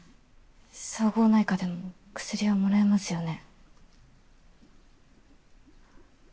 総合内科でも薬はもらえますよね？